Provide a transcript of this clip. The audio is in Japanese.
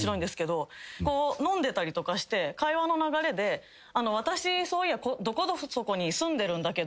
飲んでたりとかして会話の流れで私そういやどこそこに住んでるんだけど。